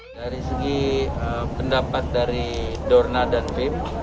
dari segi pendapat dari dorna dan pim